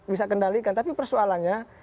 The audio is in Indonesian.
bisa kendalikan tapi persoalannya